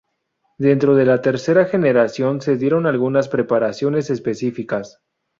Dentro de la tercera generación se dieron algunas preparaciones específicas.